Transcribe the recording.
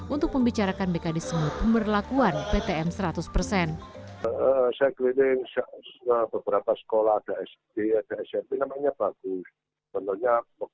untuk membicarakan tentang penyelidikan dan penyelidikan